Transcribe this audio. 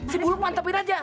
si bulu mau antapin aja